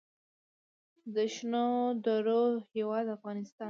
د شنو درو هیواد افغانستان.